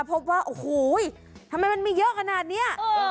พบว่าโอ้โหทำไมมันมีเยอะขนาดนี้